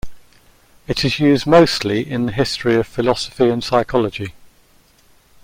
It is used mostly in the history of philosophy and of psychology.